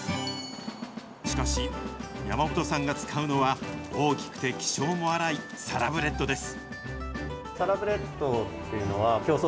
しかし、山本さんが使うのは、大きくて気性も荒いサラブレッドです。